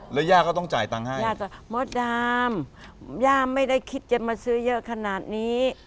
แล้วย่าก็ต้องจ่ายตังค์ให้ย่ามดดำย่าไม่ได้คิดจะมาซื้อเยอะขนาดนี้